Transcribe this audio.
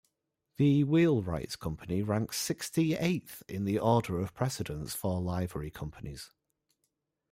The Wheelwrights' Company ranks sixty-eighth in the order of precedence for Livery Companies.